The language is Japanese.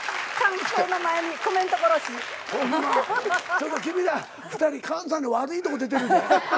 ちょっと君ら２人関西の悪いとこ出てるで。